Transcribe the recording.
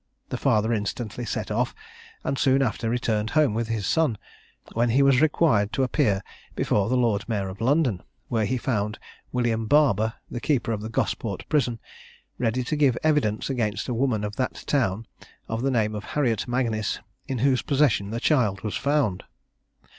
The father instantly set off, and soon after returned home with his son, when he was required to appear before the Lord Mayor of London, where he found William Barber, the keeper of the Gosport prison, ready to give evidence against a woman of that town of the name of Harriet Magnis, in whose possession the child was found.